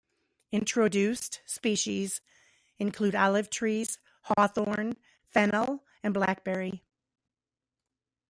Introduced species include olive trees, hawthorn, fennel and blackberry.